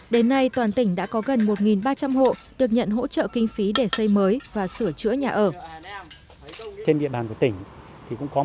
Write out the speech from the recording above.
đến nay toàn tỉnh đã có gần một ba trăm linh hộ được nhận hỗ trợ kinh phí để xây mới và sửa chữa nhà ở